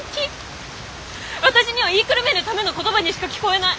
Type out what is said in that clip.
私には言いくるめるための言葉にしか聞こえない。